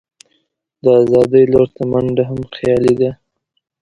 د آزادۍ لور ته منډه هم خیالي ده.